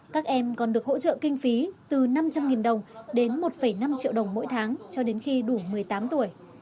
các em còn được hỗ trợ kinh phí từ năm trăm linh đồng đến một năm triệu đồng mỗi tháng cho đến khi đủ một mươi tám tuổi